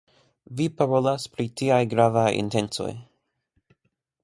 Vi parolas pri tiaj gravaj intencoj.